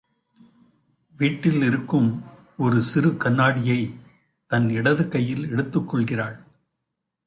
வீட்டில் இருக்கும் ஒரு சிறு கண்ணாடியைத் தன் இடது கையில் எடுத்துக் கொள்கிறாள்.